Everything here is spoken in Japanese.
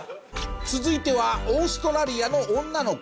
続いてはオーストラリアの女の子。